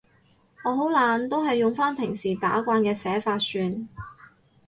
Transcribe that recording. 我好懶，都係用返平時打慣嘅寫法算